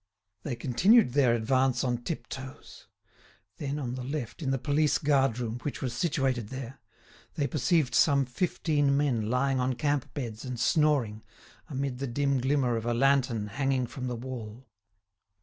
They continued their advance on tip toes. Then, on the left, in the police guard room, which was situated there, they perceived some fifteen men lying on camp beds and snoring, amid the dim glimmer of a lantern hanging from the wall.